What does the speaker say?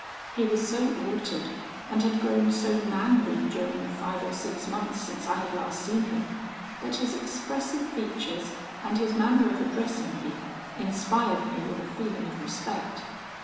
He was so altered, and had grown so manly during the five or six months since I had last seen him, that his expressive features and his manner of addressing me inspired me with a feeling of respect.